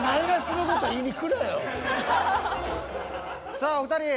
さあお二人。